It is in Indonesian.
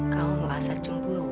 kamu merasa cemburu